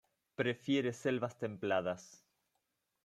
Prefiere selvas templadas.